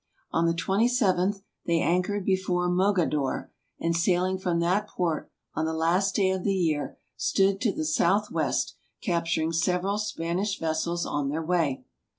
On the 27th, they anch ored before Mogadore, and sailing from that port on the last day of the year, stood to the southwest, capturing sev eral Spanish vessels on their way.